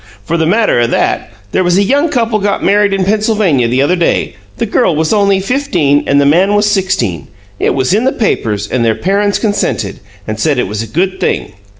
"For the matter o' that, there was a young couple got married in Pennsylvania the other day; the girl was only fifteen, and the man was sixteen. It was in the papers, and their parents consented, and said it was a good thing.